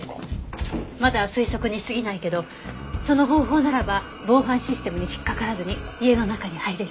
まだ推測に過ぎないけどその方法ならば防犯システムに引っかからずに家の中に入れる。